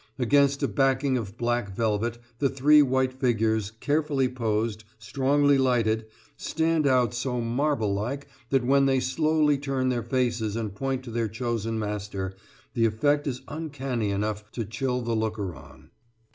Against a backing of black velvet the three white figures, carefully posed, strongly lighted, stand out so marble like that when they slowly turn their faces and point to their chosen master, the effect is uncanny enough to chill the looker on.